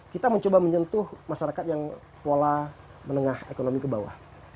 kita mencoba menyentuh masyarakat yang pola menengah ekonomi ke bawah